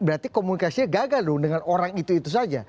ya berarti komunikasinya gagal dong dengan orang itu saja